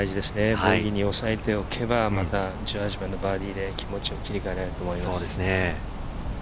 ボギーに抑えておけば、１８番のバーディーで気持ちを切り替えられる。